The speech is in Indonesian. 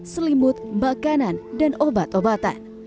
selimut makanan dan obat obatan